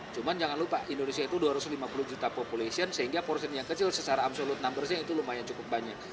cuma jangan lupa indonesia itu dua ratus lima puluh juta population sehingga portion yang kecil secara absolut numbersnya itu lumayan cukup banyak